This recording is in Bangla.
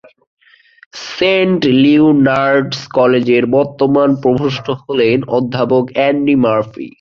সেন্ট লিওনার্ডস কলেজের বর্তমান প্রভোস্ট হলেন অধ্যাপক অ্যান্ডি মারফি।